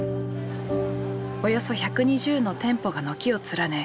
およそ１２０の店舗が軒を連ね